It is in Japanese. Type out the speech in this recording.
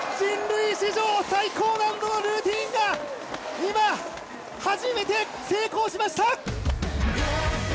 人類史上最高難度のルーティンが今、初めて成功しました！